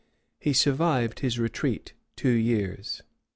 He survived his retreat two years.